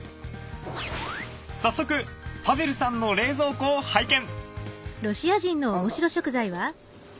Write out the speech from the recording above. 早速パヴェルさんの冷蔵庫を拝見！